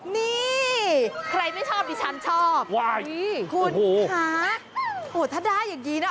นี่ใครไม่ชอบดิฉันชอบคุณคะโอ้ถ้าได้อย่างนี้นะ